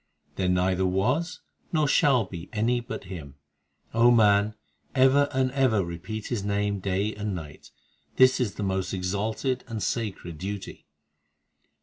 There neither was nor shall be any but Him ; O man, ever and ever repeat His name day and night ; This is the most exalted and sacred duty.